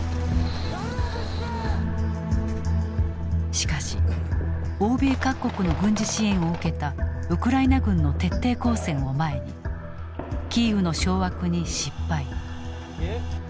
しかし欧米各国の軍事支援を受けたウクライナ軍の徹底抗戦を前にキーウの掌握に失敗。